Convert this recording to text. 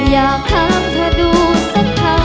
อยากถามเธอดูสักคำ